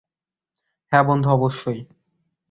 হ্যাঁ, অবশ্যই, বন্ধু।